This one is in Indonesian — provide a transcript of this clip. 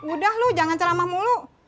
udah lu jangan ceramah mulu